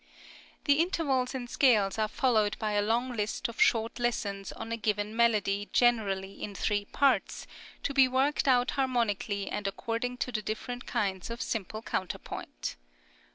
The intervals and scales are followed by a long list of short lessons on a given melody generally in three parts, to be worked out harmonically and according to the different kinds of simple counterpoint.